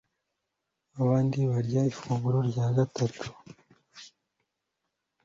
abandi barya ifunguro rya gatatu